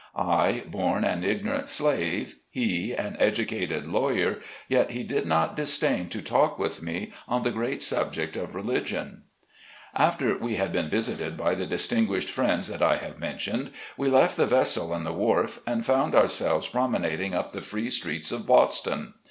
I, born an ignorant slave, he, an educated lawyer, yet he did not disdain to talk with me on the great subject of religion. 30 SLAVE CABIN TO PULPIT. After we had been visited by the distinguished friends that I have mentioned, we left the vessel and the wharf, and found ourselves promenading up the free streets of Boston.